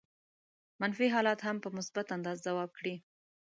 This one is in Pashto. منفي حالات هم په مثبت انداز ځواب کړي.